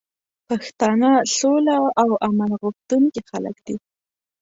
پښتانه سوله او امن غوښتونکي خلک دي.